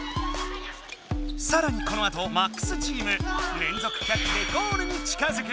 さらにこのあとＭＡＸチーム連続キャッチでゴールに近づく。